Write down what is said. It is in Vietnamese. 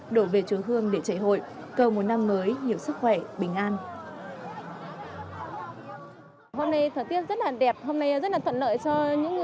đổ về chùa hương để chảy hội cầu một năm mới nhiều sức khỏe bình an